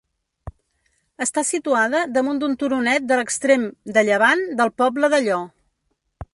Està situada damunt d'un turonet de l'extrem de llevant del poble de Llo.